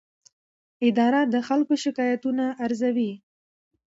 اداره د خلکو شکایتونه ارزوي.